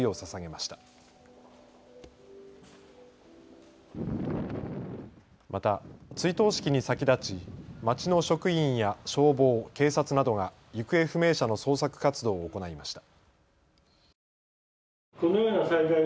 また、追悼式に先立ち町の職員や消防、警察などが行方不明者の捜索活動を行いました。